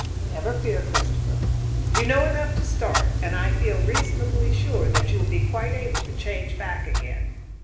"Never fear, Christopher. You know enough to start, and I feel reasonably sure that you will be quite able to change back again.